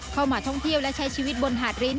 เข้ามาท่องเที่ยวและใช้ชีวิตบนหาดริ้น